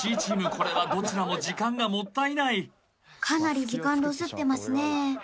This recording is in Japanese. これはどちらも時間がもったいないかなり時間ロスってますね